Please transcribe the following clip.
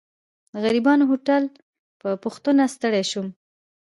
د غریبانه هوټل په پوښتنه ستړی شوم.